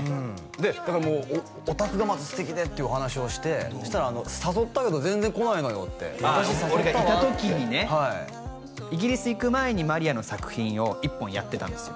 でだからもうお宅がまず素敵でっていうお話をしてそしたら「誘ったけど全然来ないのよ」って「私誘ったわ」って俺がいた時にねイギリス行く前にマリアの作品を１本やってたんですよ